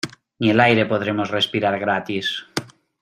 Ni el aire podremos respirar gratis.